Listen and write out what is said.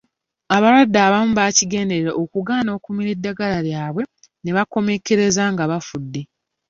Abalwadde abamu bakigenderera okugaana okumira eddagala lyabwe ne bakomekkereza nga bafudde.